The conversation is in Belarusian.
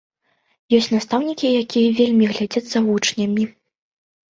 Ёсць настаўнікі, якія вельмі глядзяць за вучнямі.